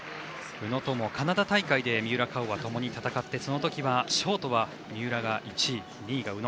宇野ともカナダ大会で三浦佳生は共に戦ってその時はショートが三浦が１位２位が宇野。